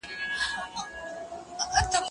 که وخت وي، پلان جوړوم؟!